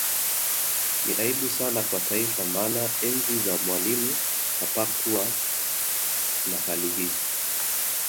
Ni aibu sana kwa Taifa maana enzi za Mwalimu hapakukuwa na hali hii